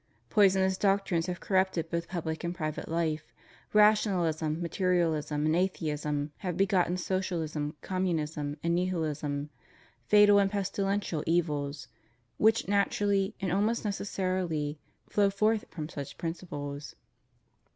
Poisonous doctrines have corrupted both public and pri vate life; rationalism, materiahsm, and atheism have begotten socialism, communism, and nihilism — fatal and pestilential evils, which naturally, and almost necessarily, flow forth from such principles.